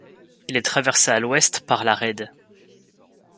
Il est traversé à l'ouest par la Reide.